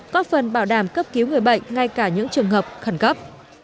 có phần bảo đảm cấp cứu người bệnh ngay cả những trường hợp khẩn cấp